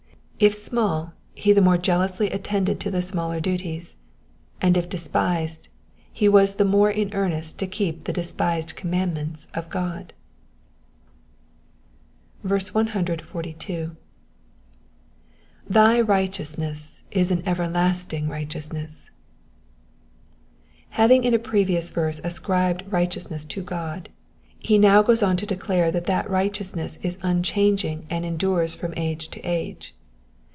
If small, he the more iealously attended to the smaller duties ; and if despised, he was the more m earnest to keep ^he despised commandments of God. 142. ^^Thy righteousness is an everlasting righteousness,'*'^ Having in a pre vious verse ascribed righteousness to God, he now goes on to declare that that righteousness is unchanging and endures from age to age.